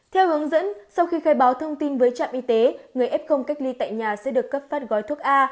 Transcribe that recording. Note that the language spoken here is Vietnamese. theo hướng dẫn sau khi khai báo thông tin với trạm y tế người f cách ly tại nhà sẽ được cấp phát gói thuốc a